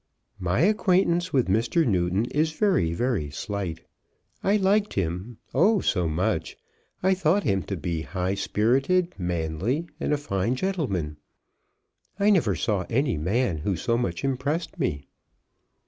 "My acquaintance with Mr. Newton is very, very slight. I liked him, oh, so much. I thought him to be high spirited, manly, and a fine gentleman. I never saw any man who so much impressed me."